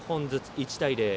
１対０。